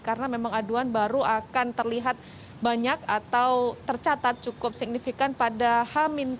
karena memang aduan baru akan terlihat banyak atau tercatat cukup signifikan pada h tiga